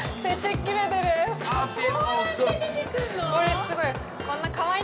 これ、すごい。